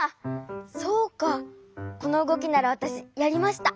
そうかこのうごきならわたしやりました。